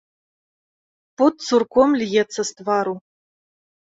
Пот цурком льецца з твару.